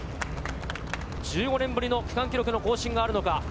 １５年ぶりの区間記録の更新があるのか。